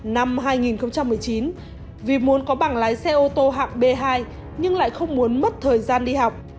năm hai nghìn một mươi chín vì muốn có bằng lái xe ô tô hạng b hai nhưng lại không muốn mất thời gian đi học